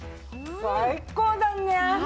最高だね！